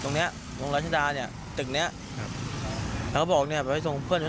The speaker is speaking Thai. ตรงเนี้ยตรงรัชดาเนี่ยตึกเนี้ยครับเขาบอกเนี้ยไปส่งเพื่อน